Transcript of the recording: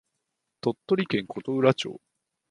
鳥取県琴浦町